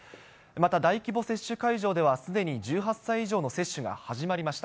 また大規模接種会場ではすでに１８歳以上の接種が始まりました。